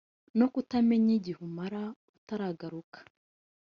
no kutamenya igihe umara utaragaruka